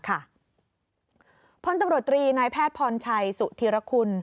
คนตำรวจตรีนายแพทย์พรชัยสุธิรคุณ